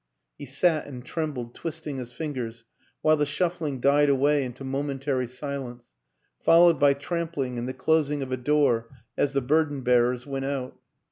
He sat and trembled, twisting his fingers, while the shuffling died away into momentary silence, fol lowed by trampling and the closing of a door as the burden bearers went out.